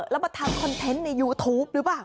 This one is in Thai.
แล้วมาทำคอนเทนต์ในยูทูปหรือเปล่า